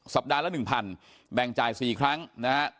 ปัดละ๑๐๐แบ่งจ่าย๔ครั้งนะฮะ